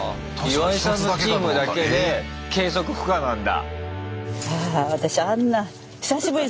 ⁉岩井さんのチームだけで計測不可なんだ。